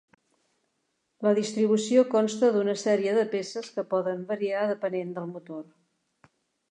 La distribució consta d'una sèrie de peces que poden variar depenent del motor.